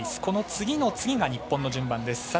この次の次が日本の順番です。